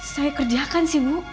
saya kerjakan sih bu